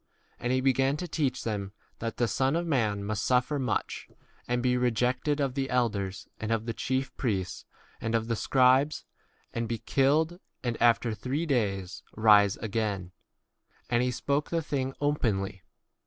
And he began to teach them that the Son of man must suffer much, and be rejected of the elders and of the chief priests and of the scribes, and be killed, and after three days rise [again]. 32 And he spoke the thing a openly.